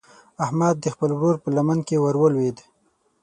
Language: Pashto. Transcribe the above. احمد د خپل ورور په لمن کې ور ولوېد.